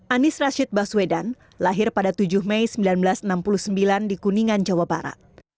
anies rashid baswedan lahir pada tujuh mei seribu sembilan ratus enam puluh sembilan di kuningan jawa barat